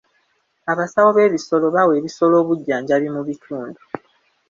Abasawo b'ebisolo bawa ebisolo obujjanjabi mu bitundu.